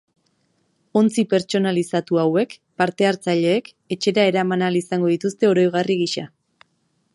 Ontzi pertsonalizatu hauek parte hartzaileek etxera eraman ahal izango dituzte oroigarri gisa.